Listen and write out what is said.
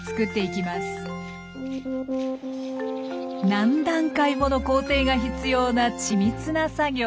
何段階もの工程が必要な緻密な作業。